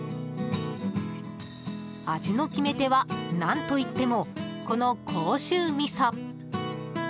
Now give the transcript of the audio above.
味の決め手は何といってもこの甲州味噌。